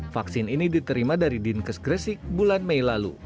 vaksin ini diterima dari dinkes gresik bulan mei lalu